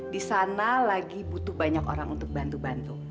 di sana lagi butuh banyak orang untuk bantu bantu